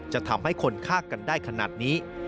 จะทำให้คนฆ่ากันได้ขนาดนี้